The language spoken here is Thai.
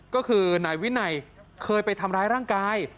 ก็คือนายวินัยเคยไปทำร้ายร่างกาย